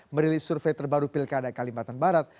merilis survei terbaru pilkada kalimantan barat